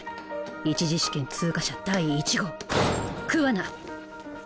１次試験通過者第一号。